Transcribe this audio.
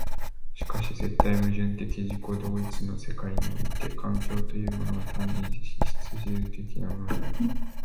しかし絶対矛盾的自己同一の世界において環境というのは単に質料的なものではない。